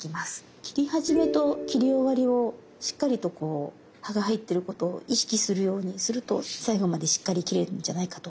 切り始めと切り終わりをしっかりと刃が入ってることを意識するようにすると最後までしっかり切れるんじゃないかと。